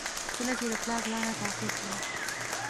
کله چې د پلار لاره تعقیب کړئ.